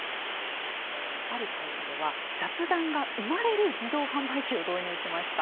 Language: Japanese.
ある会社では雑談が生まれる自動販売機を導入しました。